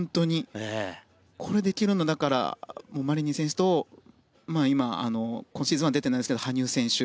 これができるのはマリニン選手と今シーズンは出てないですけど羽生選手。